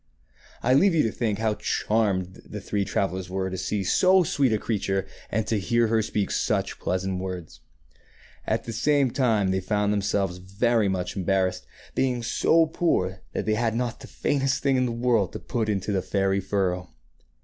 I leave you to think how charmed the three travellers were to see so sweet a creature and to hear her speak such pleasant words. At the same time they found themselves very much embarrassed, being so poor that they had not the faintest thing in the world to put into the fairy furrow.